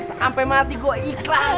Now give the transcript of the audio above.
sampai mati gue ikhlas